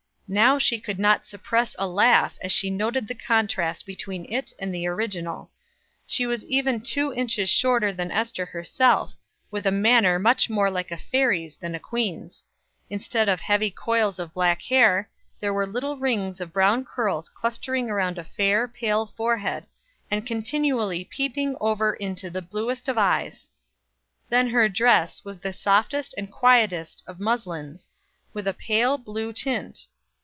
Now she could not suppress a laugh as she noted the contrast between it and the original. She was even two inches shorter than Ester herself, with a manner much more like a fairy's than a queen's; instead of heavy coils of black hair, there were little rings of brown curls clustering around a fair, pale forehead, and continually peeping over into the bluest of eyes; then her dress was the softest and quietest of muslins, with a pale blue tint.